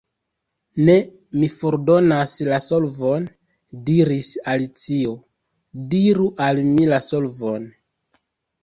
"Ne, mi fordonas la solvon," diris Alicio. "Diru al mi la solvon."